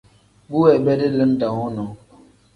Bu weebedi lim dam wonoo.